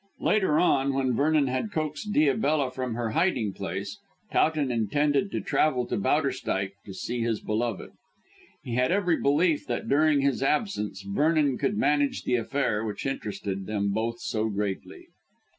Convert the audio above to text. Later on, when Vernon had coaxed Diabella from her hiding place, Towton intended to travel to Bowderstyke to see his beloved. He had every belief that during his absence Vernon could manage the affair which interested them both so greatly.